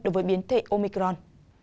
đối với biến thể omicron